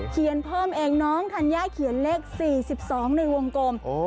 เขียนเพิ่มเองน้องธัญญาเขียนเลข๔๒ในวงกลม